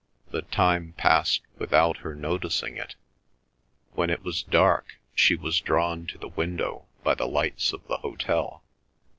The time passed without her noticing it. When it was dark she was drawn to the window by the lights of the hotel.